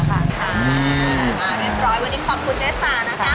เรียบร้อยวันนี้ขอบคุณเจ๊สานะคะ